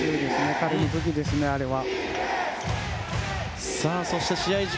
彼の武器ですね、あれは。